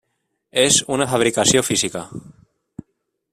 És una fabricació física.